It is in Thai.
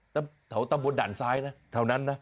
เฉาตามบนดั่นซ้ายนะทาวนั้นน่ะ